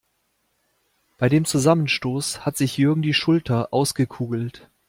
Bei dem Zusammenstoß hat sich Jürgen die Schulter ausgekugelt.